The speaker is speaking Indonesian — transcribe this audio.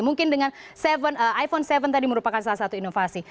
mungkin dengan iphone tujuh tadi merupakan salah satu inovasi